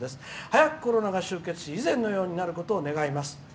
早くコロナが終わり以前のようになることを祈るばかりです」。